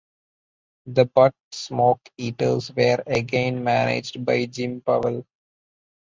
The Butte Smoke Eaters were again managed by Jim Powell.